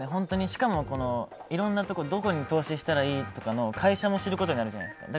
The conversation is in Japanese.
しかも、いろんなところにどこに投資したらいいとか会社も知ることになるじゃないですか。